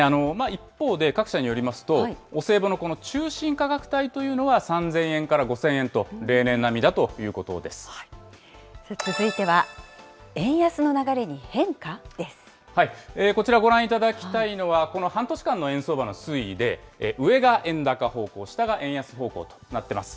一方で、各社によりますと、お歳暮のこの中心価格帯というのは、３０００円から５０００円と、続いては、円安の流れに変化こちらご覧いただきたいのは、この半年間の円相場の推移で、上が円高方向、下が円安方向となっています。